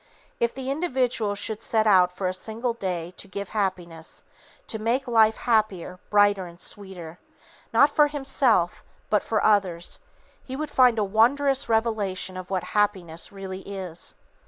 If the individual should set out for a single day to give Happiness, to make life happier, brighter and sweeter, not for himself, but for others, he would find a wondrous revelation of what Happiness really is.